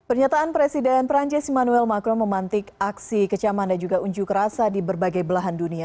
pernyataan presiden perancis emmanuel macron memantik aksi kecaman dan juga unjuk rasa di berbagai belahan dunia